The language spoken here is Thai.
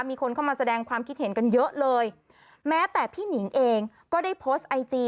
มีคนเข้ามาแสดงความคิดเห็นกันเยอะเลยแม้แต่พี่หนิงเองก็ได้โพสต์ไอจี